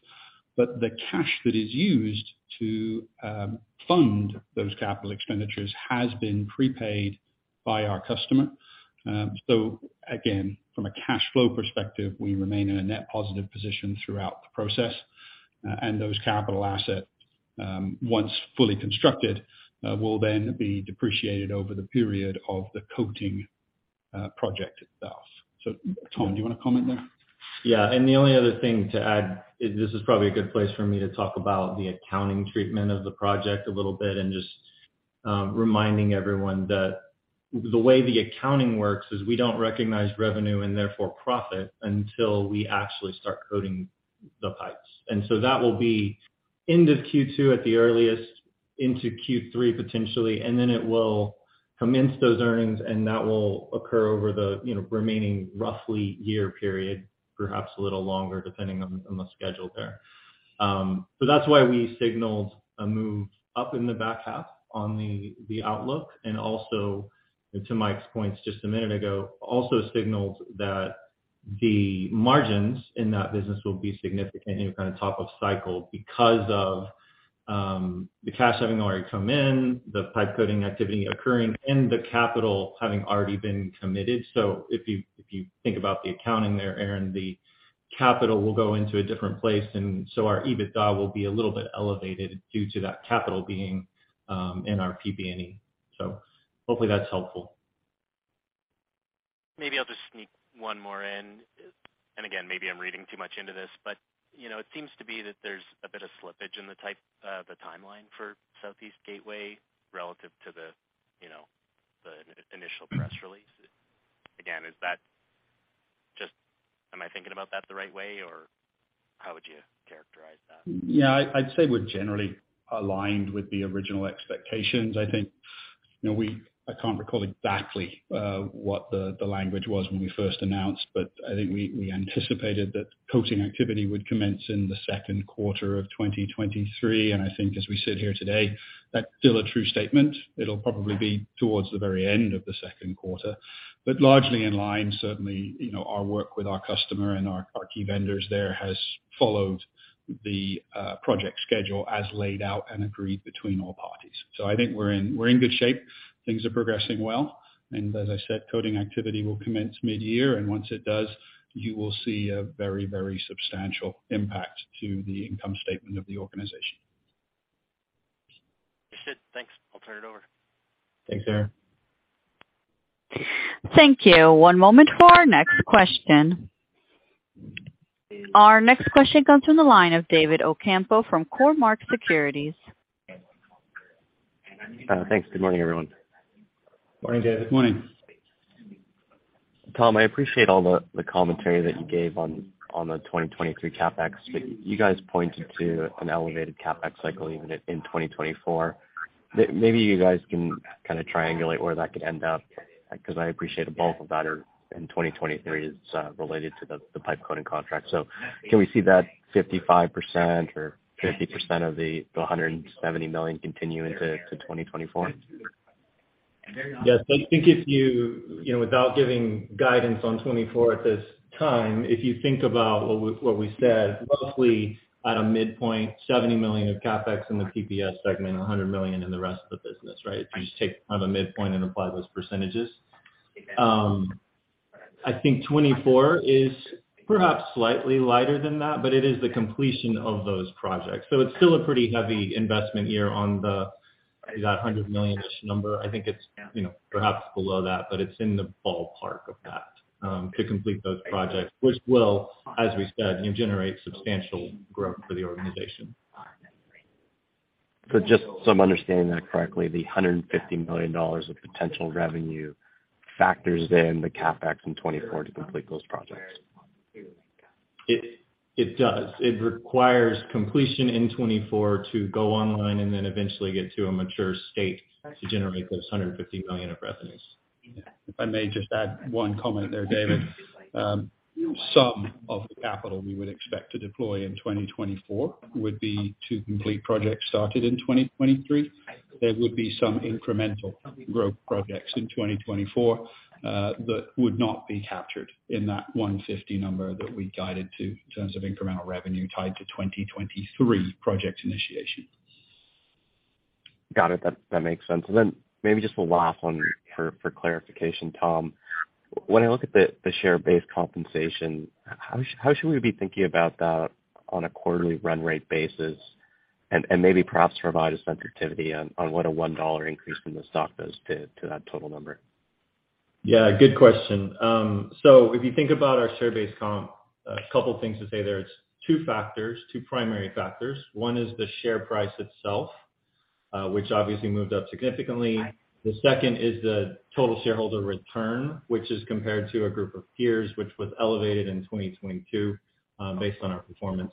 The cash that is used to fund those capital expenditures has been prepaid by our customer. Again, from a cash flow perspective, we remain in a net positive position throughout the process. Those capital asset, once fully constructed, will then be depreciated over the period of the coating project itself. Tom, do you wanna comment there? Yeah. The only other thing to add is this is probably a good place for me to talk about the accounting treatment of the project a little bit, and just, reminding everyone that the way the accounting works is we don't recognize revenue and therefore profit until we actually start coating the pipes. That will be end of Q2 at the earliest, into Q3 potentially, and then it will commence those earnings, and that will occur over the, you know, remaining roughly year period, perhaps a little longer, depending on the schedule there. That's why we signaled a move up in the back half on the outlook, and also, and to Mike's points just a minute ago, also signaled that the margins in that business will be significantly kind of top of cycle because of the cash having already come in, the pipe coating activity occurring, and the capital having already been committed. If you think about the accounting there, Aaron, the capital will go into a different place, and so our EBITDA will be a little bit elevated due to that capital being in our PP&E. Hopefully that's helpful. Maybe I'll just sneak one more in. Again, maybe I'm reading too much into this, but, you know, it seems to be that there's a bit of slippage in the timeline for Southeast Gateway relative to the, you know, the initial press release. Again, am I thinking about that the right way, or how would you characterize that? Yeah, I'd say we're generally aligned with the original expectations. I think, you know, I can't recall exactly what the language was when we first announced, but I think we anticipated that coating activity would commence in the second quarter of 2023. I think as we sit here today, that's still a true statement. It'll probably be towards the very end of the second quarter, but largely in line. Certainly, you know, our work with our customer and our key vendors there has followed the project schedule as laid out and agreed between all parties. I think we're in good shape. Things are progressing well, and as I said, coating activity will commence mid-year. Once it does, you will see a very, very substantial impact to the income statement of the organization. Appreciate it. Thanks. I'll turn it over. Thanks, Aaron. Thank you. One moment for our next question. Our next question comes from the line of David Ocampo from Cormark Securities. Thanks. Good morning, everyone. Morning, David. Morning. Tom, I appreciate all the commentary that you gave on the 2023 CapEx. You guys pointed to an elevated CapEx cycle even in 2024. Maybe you guys can kinda triangulate where that could end up, 'cause I appreciate the bulk of that are in 2023 is related to the pipe coating contract. Can we see that 55% or 50% of the 170 million continue into 2024? Yes. I think if you know, without giving guidance on 2024 at this time, if you think about what we said, roughly at a midpoint, 70 million of CapEx in the PPS segment, 100 million in the rest of the business, right? If you just take kind of a midpoint and apply those percentages. I think 2024 is perhaps slightly lighter than that, but it is the completion of those projects. It's still a pretty heavy investment year on the, is that 100 million-ish number. I think it's, you know, perhaps below that, but it's in the ballpark of that, to complete those projects, which will, as we said, you know, generate substantial growth for the organization. Just so I'm understanding that correctly, the 150 million dollars of potential revenue factors in the CapEx in 2024 to complete those projects. It does. It requires completion in 2024 to go online and then eventually get to a mature state to generate those 150 million of revenues. If I may just add one comment there, David. Some of the capital we would expect to deploy in 2024 would be to complete projects started in 2023. There would be some incremental growth projects in 2024, that would not be captured in that 150 number that we guided to in terms of incremental revenue tied to 2023 project initiation. Got it. That makes sense. Then maybe just one last one for clarification, Tom. When I look at the share-based compensation, how should we be thinking about that on a quarterly run rate basis? Maybe perhaps provide a sensitivity on what a 1 dollar increase from the stock does to that total number. Yeah, good question. If you think about our share-based comp, a couple things to say there. It's two factors, two primary factors. One is the share price itself, which obviously moved up significantly. The second is the total shareholder return, which is compared to a group of peers, which was elevated in 2022, based on our performance.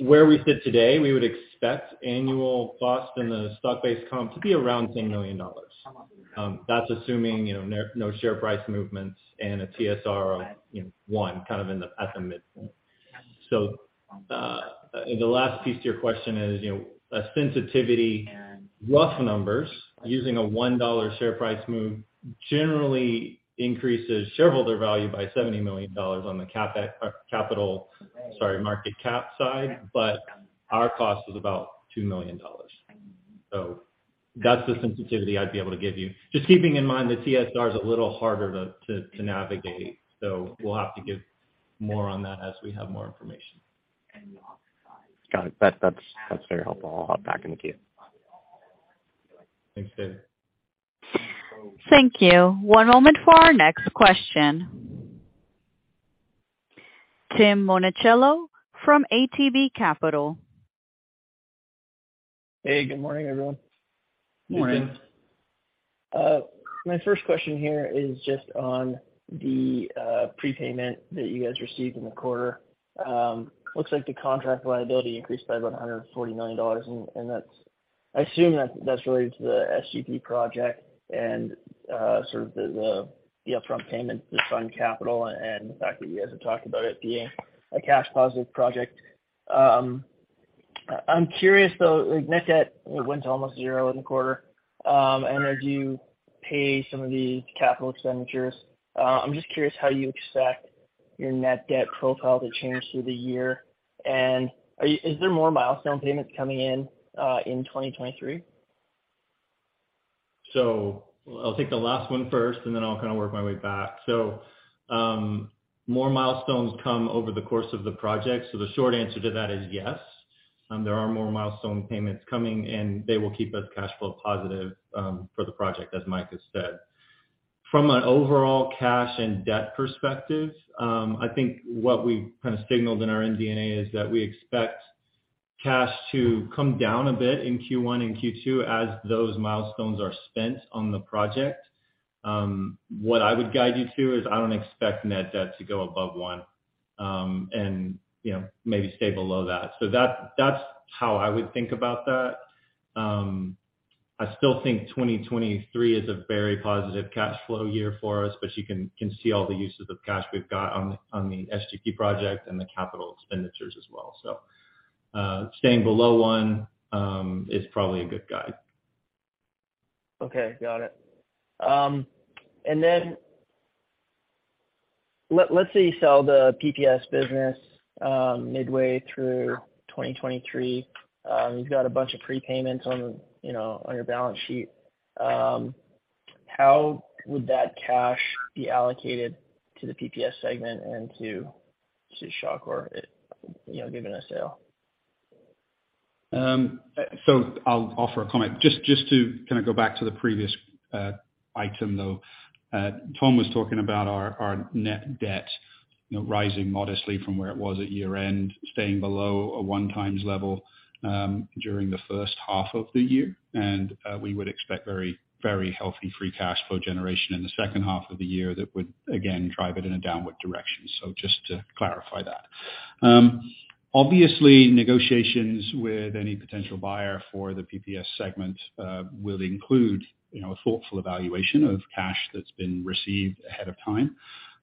Where we sit today, we would expect annual cost in the stock-based comp to be around 10 million dollars. That's assuming, you know, no share price movements and a TSR of, you know, one kind of at the midpoint. The last piece to your question is, you know, a sensitivity, rough numbers using a 1 dollar share price move generally increases shareholder value by 70 million dollars on the capital, sorry, market cap side, but our cost is about 2 million dollars. That's the sensitivity I'd be able to give you. Just keeping in mind the TSR is a little harder to navigate, so we'll have to give more on that as we have more information. Got it. That's very helpful. I'll hop back in the queue. Thanks, David. Thank you. One moment for our next question. Tim Monachello from ATB Capital. Hey, good morning, everyone. Morning. My first question here is just on the prepayment that you guys received in the quarter. Looks like the contract liability increased by about 140 million dollars, I assume that's related to the SGP project and the upfront payment to sign capital and the fact that you guys have talked about it being a cash positive project. I'm curious though, net debt went to almost zero in the quarter, and as you pay some of these capital expenditures, I'm just curious how you expect your net debt profile to change through the year. Is there more milestone payments coming in in 2023? I'll take the last one first, and then I'll kind of work my way back. More milestones come over the course of the project. The short answer to that is yes. There are more milestone payments coming, and they will keep us cash flow positive for the project, as Mike has said. From an overall cash and debt perspective, I think what we've kind of signaled in our MD&A is that we expect cash to come down a bit in Q1 and Q2 as those milestones are spent on the project. What I would guide you to is I don't expect net debt to go above 1, and, you know, maybe stay below that. That's how I would think about that. I still think 2023 is a very positive cash flow year for us, but you can see all the uses of cash we've got on the SGP project and the capital expenditures as well. Staying below one is probably a good guide. Okay. Got it. Let's say you sell the PPS business, midway through 2023. You've got a bunch of prepayments on, you know, on your balance sheet. How would that cash be allocated to the PPS segment and to Shawcor, you know, given a sale? So I'll offer a comment. Just to kind of go back to the previous item, though. Tom was talking about our net debt, you know, rising modestly from where it was at year-end, staying below a 1 times level during the first half of the year. We would expect very, very healthy free cash flow generation in the second half of the year that would again drive it in a downward direction. Just to clarify that. Obviously, negotiations with any potential buyer for the PPS segment will include, you know, a thoughtful evaluation of cash that's been received ahead of time.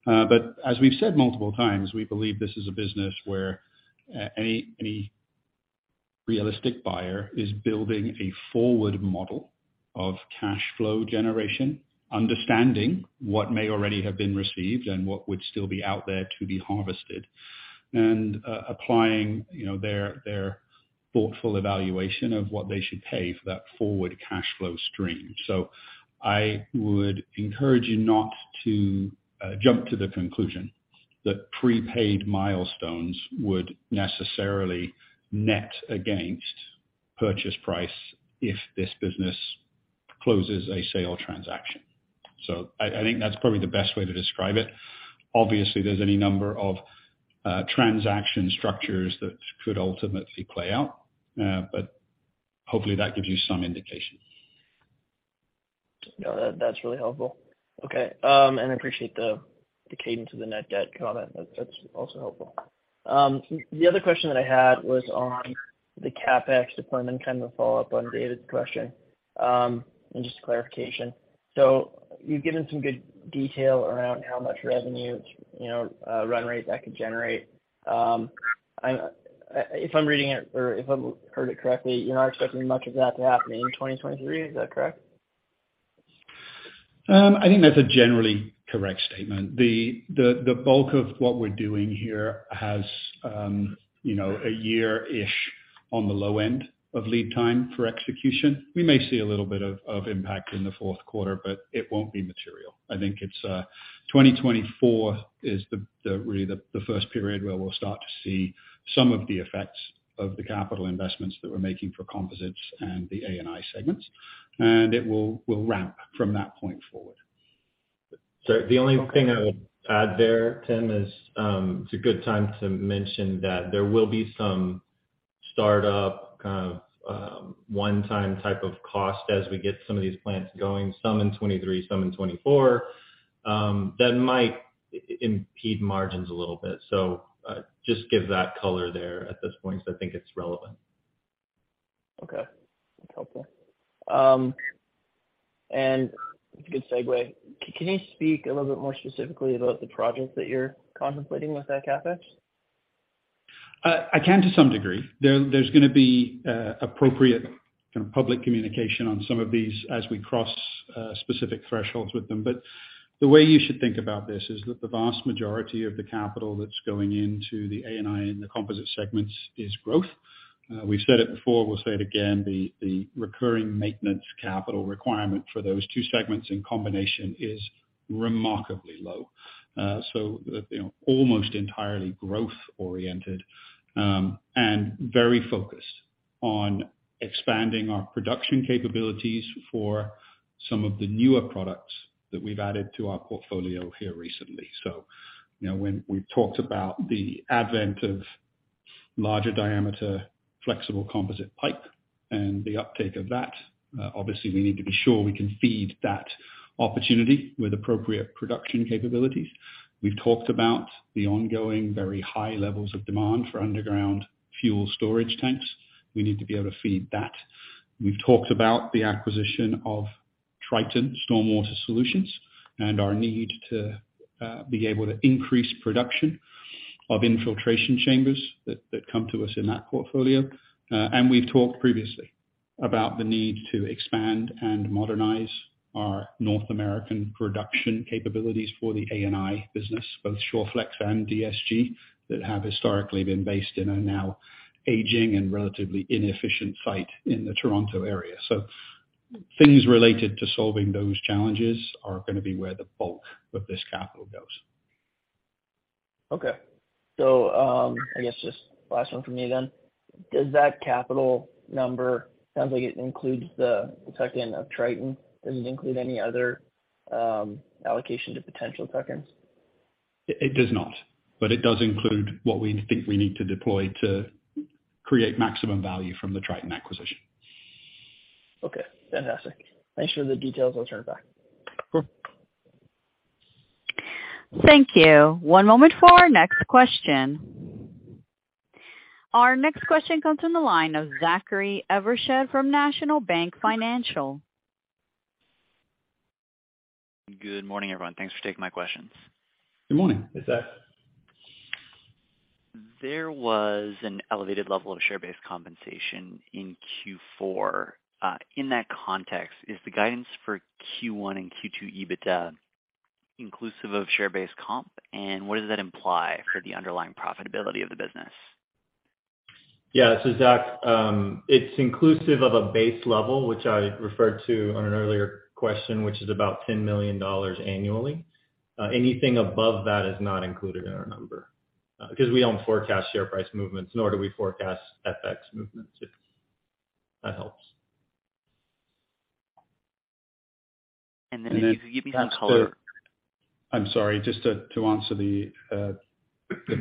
As we've said multiple times, we believe this is a business where any realistic buyer is building a forward model of cash flow generation, understanding what may already have been received and what would still be out there to be harvested, and applying, you know, their thoughtful evaluation of what they should pay for that forward cash flow stream. I would encourage you not to jump to the conclusion that prepaid milestones would necessarily net against purchase price if this business closes a sale transaction. I think that's probably the best way to describe it. Obviously, there's any number of transaction structures that could ultimately play out, but hopefully, that gives you some indication. No, that's really helpful. Okay. Appreciate the cadence of the net debt comment. That's also helpful. The other question that I had was on the CapEx deployment, kind of a follow-up on David's question, just clarification. You've given some good detail around how much revenue, you know, run rate that could generate. If I'm reading it or if I've heard it correctly, you're not expecting much of that to happen in 2023. Is that correct? I think that's a generally correct statement. The bulk of what we're doing here has, you know, a year-ish on the low end of lead time for execution. We may see a little bit of impact in the fourth quarter, but it won't be material. I think it's 2024 is really the first period where we'll start to see some of the effects of the capital investments that we're making for composites and the A&I segments, and it will ramp from that point forward. The only thing I would add there, Tim, is it's a good time to mention that there will be some start-up, kind of, one-time type of cost as we get some of these plants going, some in 2023, some in 2024, that might impede margins a little bit. Just give that color there at this point because I think it's relevant. Okay. That's helpful. Good segue. Can you speak a little bit more specifically about the projects that you're contemplating with that CapEx? I can to some degree. There, there's gonna be appropriate kind of public communication on some of these as we cross specific thresholds with them. The way you should think about this is that the vast majority of the capital that's going into the A&I and the Composite segments is growth. We've said it before, we'll say it again, the recurring maintenance capital requirement for those two segments in combination is remarkably low. You know, almost entirely growth oriented, and very focused on expanding our production capabilities for some of the newer products that we've added to our portfolio here recently. You know, when we talked about the advent of larger diameter flexible composite pipe and the uptake of that, obviously we need to be sure we can feed that opportunity with appropriate production capabilities. We've talked about the ongoing very high levels of demand for underground fuel storage tanks. We need to be able to feed that. We've talked about the acquisition of Triton Stormwater Solutions and our need to be able to increase production of infiltration chambers that come to us in that portfolio. We've talked previously about the need to expand and modernize our North American production capabilities for the A&I business, both ShawFlex and DSG-Canusa, that have historically been based in a now aging and relatively inefficient site in the Toronto area. Things related to solving those challenges are gonna be where the bulk of this capital goes. I guess just last one for me. Does that capital number, sounds like it includes the tuck-in of Triton. Does it include any other allocation to potential tuck-ins? It does not, but it does include what we think we need to deploy to create maximum value from the Triton acquisition. Okay, fantastic. Thanks for the details. I'll turn it back. Cool. Thank you. One moment for our next question. Our next question comes from the line of Zachary Evershed from National Bank Financial. Good morning, everyone. Thanks for taking my questions. Good morning. Hey, Zach. There was an elevated level of share-based compensation in Q4. In that context, is the guidance for Q1 and Q2 EBITDA inclusive of share-based comp, and what does that imply for the underlying profitability of the business? Yeah. Zach, it's inclusive of a base level which I referred to on an earlier question, which is about 10 million dollars annually. Anything above that is not included in our number, because we don't forecast share price movements, nor do we forecast FX movements, if that helps. Can you give me some color? I'm sorry, just to answer the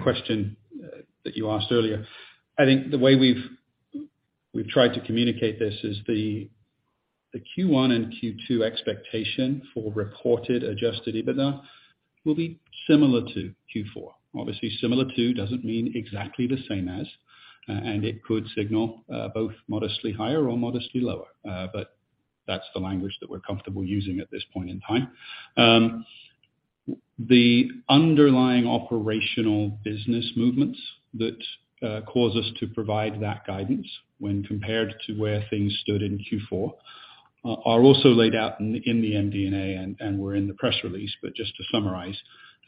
question that you asked earlier. I think the way we've tried to communicate this is the Q1 and Q2 expectation for reported adjusted EBITDA will be similar to Q4. Obviously, similar to doesn't mean exactly the same as, and it could signal both modestly higher or modestly lower. That's the language that we're comfortable using at this point in time. The underlying operational business movements that cause us to provide that guidance when compared to where things stood in Q4 are also laid out in the MD&A and were in the press release. Just to summarize,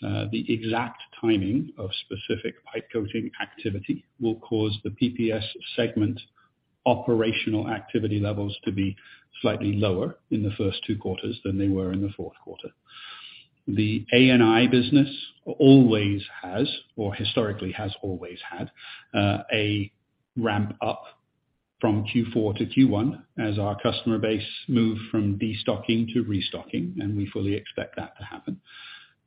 the exact timing of specific pipe coating activity will cause the PPS segment operational activity levels to be slightly lower in the first two quarters than they were in the fourth quarter. The A&I business always has, or historically has always had, a ramp up from Q4 to Q1 as our customer base move from destocking to restocking, and we fully expect that to happen.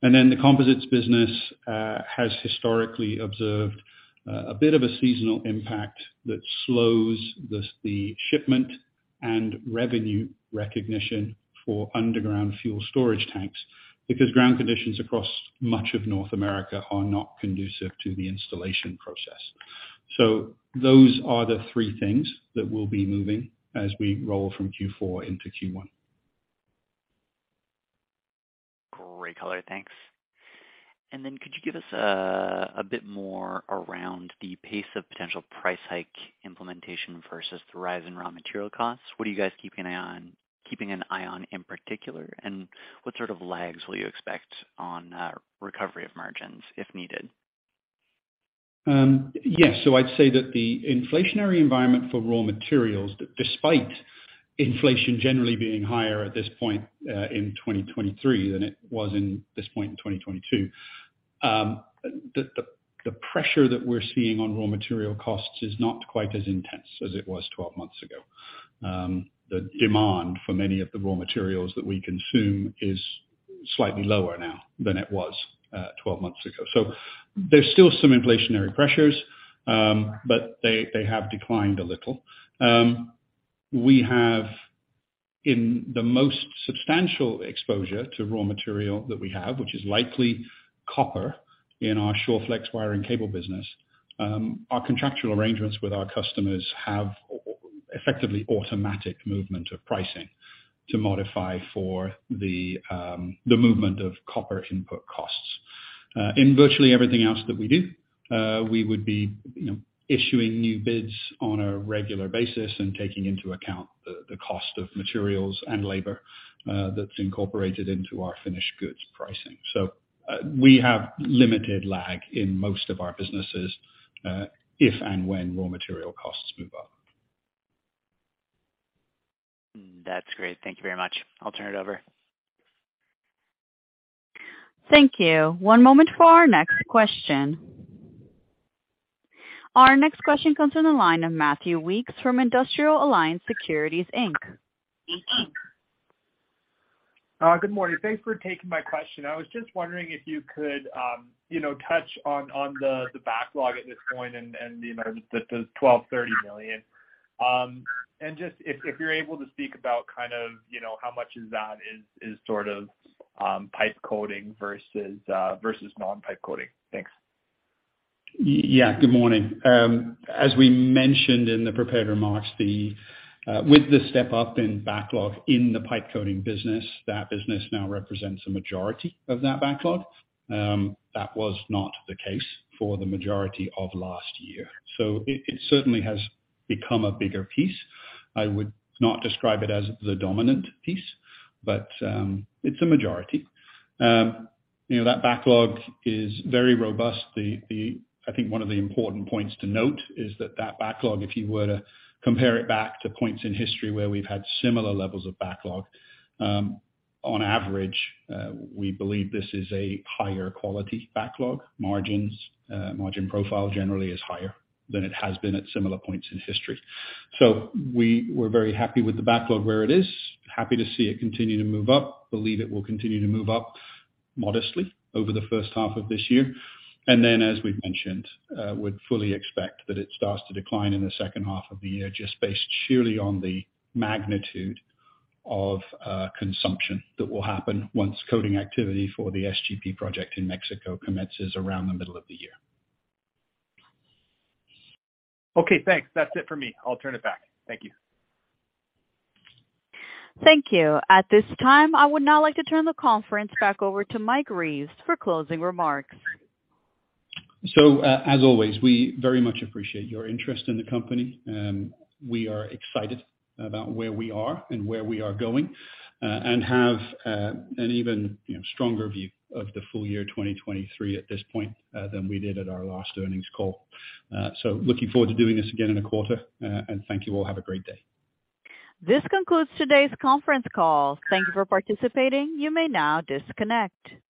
The Composites business has historically observed a bit of a seasonal impact that slows the shipment and revenue recognition for underground fuel storage tanks because ground conditions across much of North America are not conducive to the installation process. Those are the three things that will be moving as we roll from Q4 into Q1. Great color. Thanks. Could you give us a bit more around the pace of potential price hike implementation versus the rise in raw material costs? What are you guys keeping an eye on in particular? What sort of lags will you expect on recovery of margins if needed? Yes. I'd say that the inflationary environment for raw materials, despite inflation generally being higher at this point in 2023 than it was in this point in 2022, the pressure that we're seeing on raw material costs is not quite as intense as it was 12 months ago. The demand for many of the raw materials that we consume is slightly lower now than it was 12 months ago. There's still some inflationary pressures, but they have declined a little. In the most substantial exposure to raw material that we have, which is likely copper in our ShawFlex wiring cable business, our contractual arrangements with our customers have effectively automatic movement of pricing to modify for the movement of copper input costs. In virtually everything else that we do, we would be, you know, issuing new bids on a regular basis and taking into account the cost of materials and labor that's incorporated into our finished goods pricing. We have limited lag in most of our businesses, if and when raw material costs move up. That's great. Thank you very much. I'll turn it over. Thank you. One moment for our next question. Our next question comes from the line of Matthew Weekes from Industrial Alliance Securities Inc. Good morning. Thanks for taking my question. I was just wondering if you could, you know, touch on the backlog at this point and the amount of the 1.230 billion. Just if you're able to speak about kind of, you know, how much of that is sort of pipe coating versus non-pipe coating. Thanks. Yeah, good morning. As we mentioned in the prepared remarks, with the step up in backlog in the Pipe Coating business, that business now represents the majority of that backlog. That was not the case for the majority of last year. It certainly has become a bigger piece. I would not describe it as the dominant piece, but it's a majority. You know, that backlog is very robust. I think one of the important points to note is that that backlog, if you were to compare it back to points in history where we've had similar levels of backlog, on average, we believe this is a higher quality backlog. Margins, margin profile generally is higher than it has been at similar points in history. We're very happy with the backlog where it is, happy to see it continue to move up. Believe it will continue to move up modestly over the first half of this year. As we've mentioned, would fully expect that it starts to decline in the second half of the year just based purely on the magnitude of consumption that will happen once coating activity for the SGP project in Mexico commences around the middle of the year. Okay, thanks. That's it for me. I'll turn it back. Thank you. Thank you. At this time, I would now like to turn the conference back over to Mike Reeves for closing remarks. As always, we very much appreciate your interest in the company. We are excited about where we are and where we are going, and have an even, you know, stronger view of the full year 2023 at this point, than we did at our last earnings call. Looking forward to doing this again in a quarter, and thank you all. Have a great day. This concludes today's conference call. Thank you for participating. You may now disconnect.